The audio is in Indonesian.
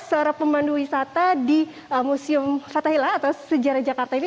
seorang pemandu wisata di museum fathahila atau sejarah jakarta ini